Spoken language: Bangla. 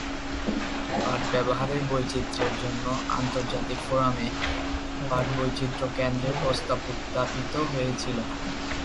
পাট ব্যবহারের বৈচিত্র্যের জন্য আন্তর্জাতিক ফোরামে পাট বৈচিত্র্য কেন্দ্রের প্রস্তাব উত্থাপিত হয়েছিল।